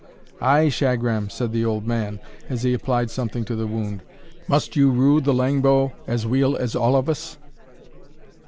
"Ay, Shagram," said the old man, as he applied something to the wound, "must you rue the lang bow as weel as all of us?"